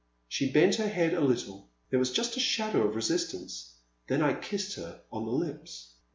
She bent her head a little, — there was just a shadow of resistance, — then I kissed her on the lips.